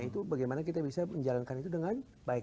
itu bagaimana kita bisa menjalankan itu dengan baik